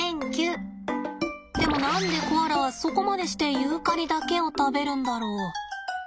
でも何でコアラはそこまでしてユーカリだけを食べるんだろ？